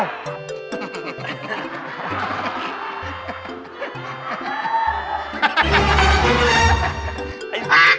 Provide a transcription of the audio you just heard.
ไอเด็ก